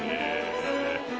「すごいね」